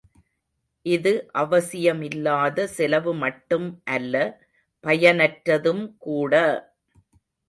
இது அவசியமில்லாத செலவு மட்டும் அல்ல, பயனற்றதும் கூட!